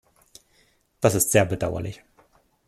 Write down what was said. Das ist sehr bedauerlich.